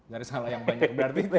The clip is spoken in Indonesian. dari salah yang banyak